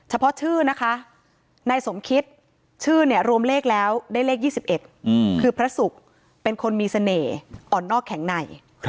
ชื่อนะคะนายสมคิดชื่อเนี่ยรวมเลขแล้วได้เลข๒๑คือพระศุกร์เป็นคนมีเสน่ห์อ่อนนอกแข็งใน